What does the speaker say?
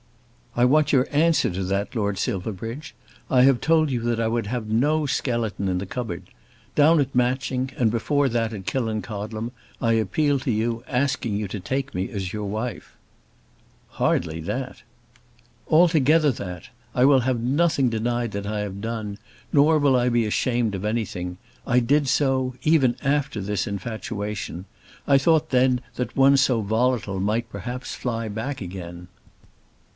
"I want your answer to that, Lord Silverbridge. I have told you that I would have no skeleton in the cupboard. Down at Matching, and before that at Killancodlem, I appealed to you, asking you to take me as your wife." "Hardly that." "Altogether that! I will have nothing denied that I have done, nor will I be ashamed of anything. I did do so, even after this infatuation. I thought then that one so volatile might perhaps fly back again."